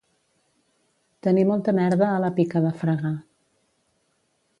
Tenir molta merda a la pica de fregar